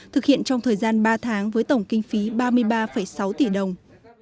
thực hiện trong thời gian ba tháng với tổng kinh phí ba mươi ba sáu tỷ đồng